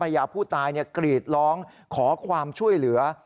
ยาผู้ตายกรีดร้องขอความช่วยเหลือ